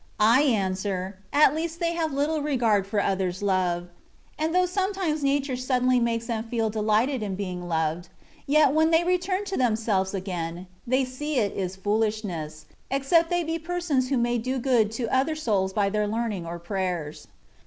'' I answer, at least they have little regard for others^ love; and though THE WAY OF FEEFECTION. 81 sometimes nature suddenly makes them feel de lighted in being loved, yet when they return to themselves again, they see it is foolishness, except they be persons who may do good to their soids by their learning or prayers.